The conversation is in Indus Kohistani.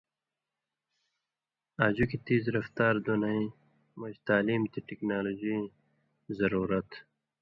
آژُکیۡ تیزرفتار دُنئیں مژ تعلیم تے ٹیکنالوجییں ضرورت